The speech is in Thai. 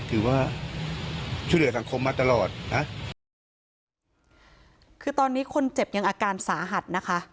ถือว่าช่วยเหลือสังคมมาตลอดนะคือตอนนี้คนเจ็บยังอาการสาหัสนะคะ